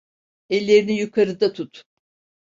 Ellerini yukarıda tut.